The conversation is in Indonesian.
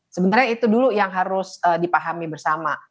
sebenarnya itu dulu yang harus dipahami bersama